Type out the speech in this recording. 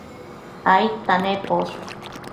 aidta nemposh?